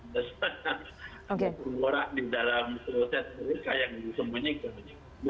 ada setengah orang di dalam kloset mereka yang disemunyikan